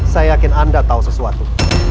saya yakin anda tahu sesuatu